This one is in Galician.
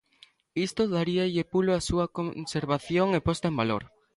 Isto daríalle pulo a súa conservación e posta en valor.